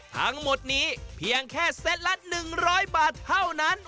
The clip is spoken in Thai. ทั้งหมดนี้เพียงแค่เซตละ๑๐๐บาทเท่านั้น